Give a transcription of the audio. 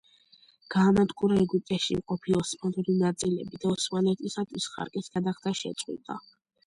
გაანადგურა ეგვიპტეში მყოფი ოსმალური ნაწილები და ოსმალეთისათვის ხარკის გადახდა შეწყვიტა.